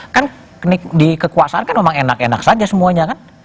kan di kekuasaan kan memang enak enak saja semuanya kan